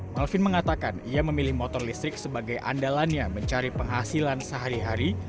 kelvin mengatakan ia memilih motor listrik sebagai andalannya mencari penghasilan sehari hari